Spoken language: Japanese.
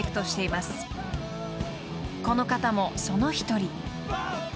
［この方もその一人］